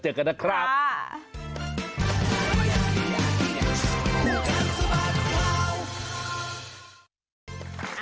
ขอบคุณครับ